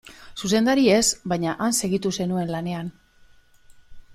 Zuzendari ez, baina han segitu zenuen lanean.